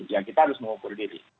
ya kita harus mengukur diri